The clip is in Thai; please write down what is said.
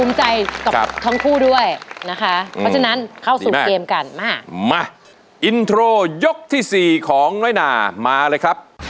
มาอินโทรยกที่๔ของน้อยนามาเลยครับ